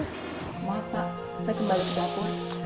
kenapa saya kembali ke dapur